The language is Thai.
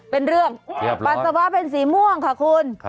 เป็นเรื่องปัสสาวะเป็นสีม่วงค่ะคุณ